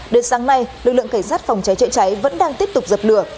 đến sáng nay lực lượng cảnh sát phòng cháy chữa cháy vẫn đang tiếp tục dập lửa